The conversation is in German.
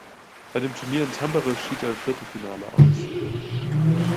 Bei dem Turnier in Tampere schied er im Viertelfinale aus.